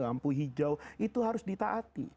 lampu hijau itu harus ditaati